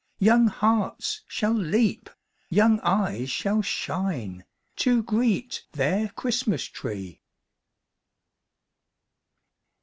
Young hearts shall leap, young eyes shall shine To greet their Christmas tree!"